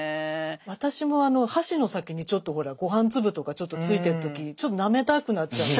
私も箸の先にちょっとほらご飯粒とかちょっとついてる時ちょっとなめたくなっちゃう。